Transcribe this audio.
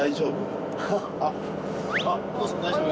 大丈夫？